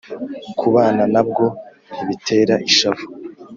kubana na bwo ntibitera ishavu,